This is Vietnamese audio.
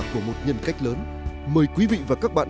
của một nhân cách lớn mời quý vị và các bạn